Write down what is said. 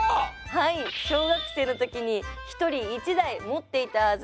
はい小学生の時に１人１台持っていたはず